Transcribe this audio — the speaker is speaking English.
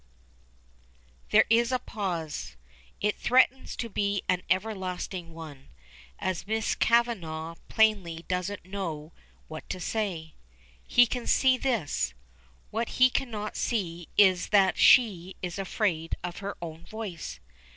There is a pause: it threatens to be an everlasting one, as Miss Kavanagh plainly doesn't know what to say. He can see this; what he cannot see is that she is afraid of her own voice.